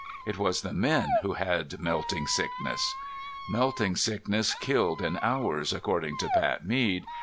It was the men who had melting sickness! Melting sickness killed in hours, according to Pat Mead.